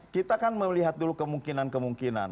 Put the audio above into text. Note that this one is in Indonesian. kita kan melihat dulu kemungkinan kemungkinan